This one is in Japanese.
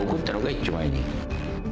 一丁前に。